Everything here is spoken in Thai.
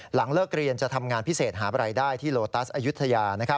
หลังเลิกเรียนจะทำงานพิเศษหาบรายได้ที่โลตัสอายุทยา